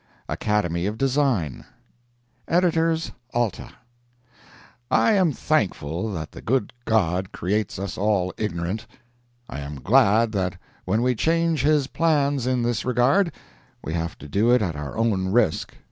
ACADEMY OF DESIGN EDITORS ALTA: I am thankful that the good God creates us all ignorant. I am glad that when we change His plans in this regard, we have to do it at our own risk.